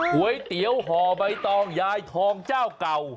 ก๋วยเตี๋ยวห่อใบตองยายทองเจ้าเก่า